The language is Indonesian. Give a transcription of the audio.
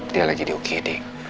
dia lagi di ukd